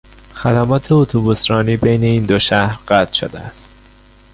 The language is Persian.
خدمات اتوبوسرانی بین این دو شهر قطع شده است.